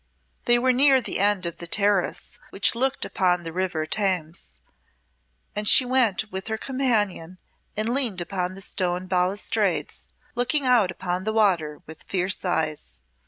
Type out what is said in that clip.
They were near the end of the terrace which looked upon the River Thames, and she went with her companion and leaned upon the stone balustrades, looking out upon the water with fierce eyes.